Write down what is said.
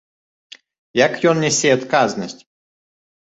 Як ён нясе адказнасць?